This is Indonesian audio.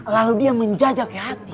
lalu dia menjajak ke hati